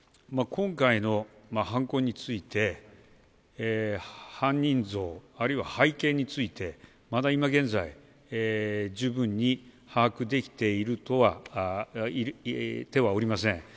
今回の犯行について、犯人像、あるいは背景について、まだ今現在、十分に把握できてはおりません。